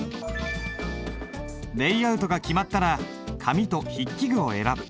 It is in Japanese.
レイアウトが決まったら紙と筆記具を選ぶ。